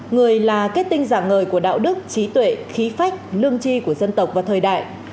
người là kết tinh giản ngời của đạo đức trí tuệ khí phách lương tri của dân tộc và thời đại